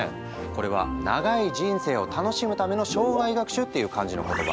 これは長い人生を楽しむための生涯学習っていう感じの言葉。